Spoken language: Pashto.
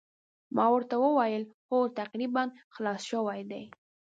ما ورته وویل هو تقریباً خلاص شوي دي.